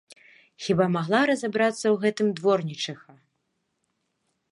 Хіба магла разабрацца ў гэтым дворнічыха!